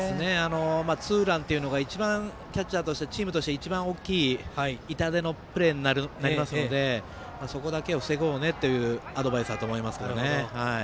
ツーランというのが一番チームとして一番大きい痛手のプレーになりますのでそこだけを防ごうねというアドバイスだと思います。